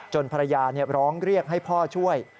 ภรรยาร้องเรียกให้พ่อช่วย